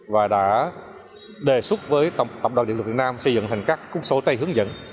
và đã đề xuất với tổng đoàn điện lực việt nam xây dựng thành các cung số tay hướng dẫn